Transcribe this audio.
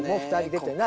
出てない。